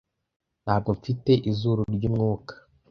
ntabwo mfite izuru ryumwuka